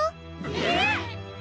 えっ！？